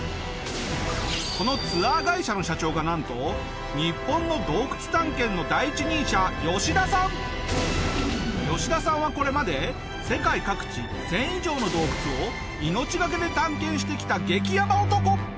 このツアー会社の社長がなんと日本の吉田さんはこれまで世界各地１０００以上の洞窟を命がけで探検してきた激やば男！